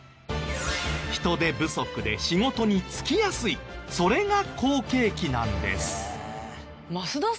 人手不足で仕事に就きやすいそれが好景気なんです。